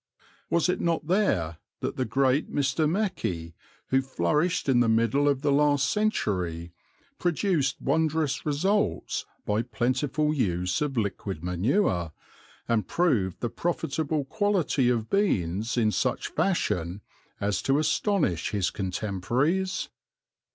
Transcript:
Was it not there that the great Mr. Mechi, who flourished in the middle of the last century, produced wondrous results by plentiful use of liquid manure, and proved the profitable quality of beans in such fashion as to astonish his contemporaries?